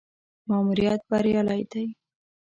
ماموریت بریالی دی.